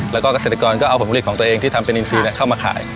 แล้วก็เกษตรกรก็เอาผลผลิตของตัวเองที่ทำเป็นอินซีเข้ามาขาย